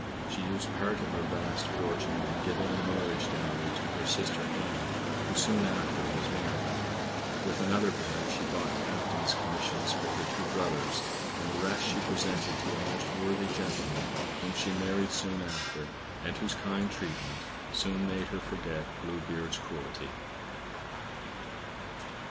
She used part of her vast fortune in giving a marriage dowry to her sister Ann, who soon after was married. With another part she bought captains' commissions for her two brothers; and the rest she presented to a most worthy gentleman whom she married soon after, and whose kind treatment soon made her forget Blue Beard's cruelty.